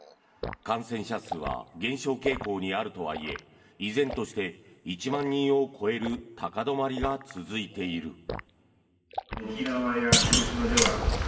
感染者数は減少傾向にあるとはいえ依然として１万人を超える高止まりが続いている。